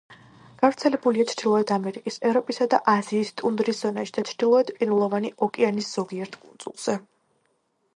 გავრცელებულია ჩრდილოეთ ამერიკის, ევროპისა და აზიის ტუნდრის ზონაში და ჩრდილოეთ ყინულოვანი ოკეანის ზოგიერთ კუნძულზე.